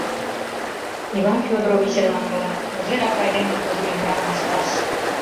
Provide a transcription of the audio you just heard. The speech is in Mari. Иван Фёдоровичын манмыла, кузерак айдемым кужу ӱмыраным ышташ?